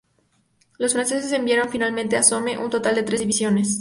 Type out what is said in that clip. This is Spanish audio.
Los franceses enviarían finalmente al Somme un total de tres divisiones.